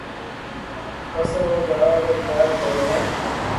پسي او جاوا رو تيارو ڪرو ھي